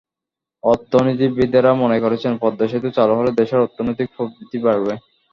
অর্থনীতিবিদেরা মনে করছেন, পদ্মা সেতু চালু হলে দেশের অর্থনৈতিক প্রবৃদ্ধি বাড়বে।